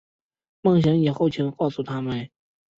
梦醒以后请告诉他们